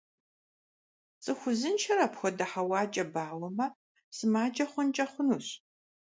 ЦӀыху узыншэр апхуэдэ хьэуакӀэ бауэмэ, сымаджэ хъункӀэ хъунущ.